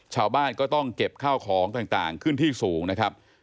ชาวบ้านก็ต้องเก็บข้าวของต่างขึ้นที่สูงนะครับ